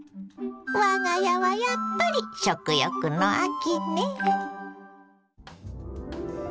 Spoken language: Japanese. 我が家はやっぱり食欲の秋ね。